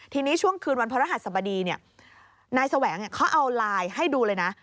ทีนี้ช่วงคืนวันพระรหัสสบดีนายแสวงเขาเอาไลน์ให้ดูเลยนะ